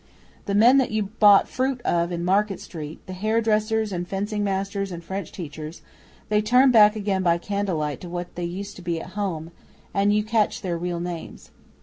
The men that you bought fruit of in Market Street, the hairdressers and fencing masters and French teachers, they turn back again by candlelight to what they used to be at home, and you catch their real names.